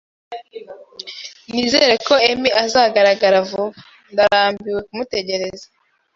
Nizere ko Emi azagaragara vuba. Ndarambiwe kumutegereza.